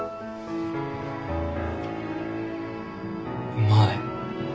うまい。